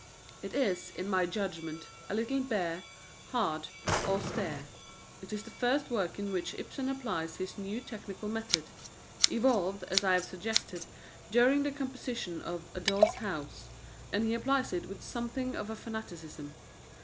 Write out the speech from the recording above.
It is, in my judgment, a little bare, hard, austere. It is the first work in which Ibsen applies his new technical method evolved, as I have suggested, during the composition of A Doll's House and he applies it with something of fanaticism.